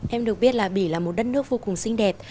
em được biết là bỉ là một đất nước vô cùng xinh đẹp